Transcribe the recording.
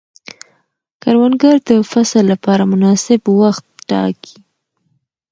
کروندګر د فصل لپاره مناسب وخت ټاکي